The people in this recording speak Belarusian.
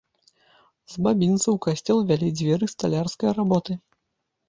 З бабінца ў касцёл вялі дзверы сталярскай работы.